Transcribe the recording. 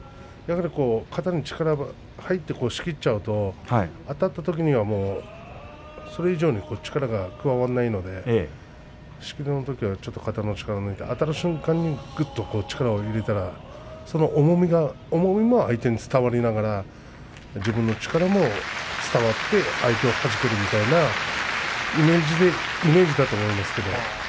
肩に力が入ってしきってしまうとあたったときにはもうそれ以上に力が加わらないので仕切りのときはちょっと肩の力を抜いて、あたる瞬間にぐっと力を入れたらその重みも相手に伝わりながら自分の力も、伝わって相手をはじくことができるみたいなそんなイメージだと思います。